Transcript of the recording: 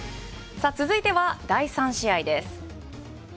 続いては第３試合です。